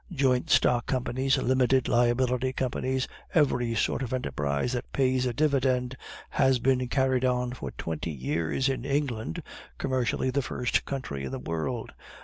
Joint stock companies, limited liability companies, every sort of enterprise that pays a dividend, has been carried on for twenty years in England, commercially the first country in the world.